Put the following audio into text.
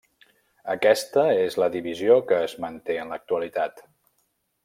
Aquesta és la divisió que es manté en l'actualitat.